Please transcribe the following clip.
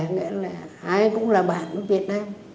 nghĩa là ai cũng là bạn với việt nam